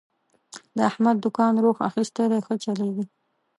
د احمد دوکان روخ اخستی دی، ښه چلېږي.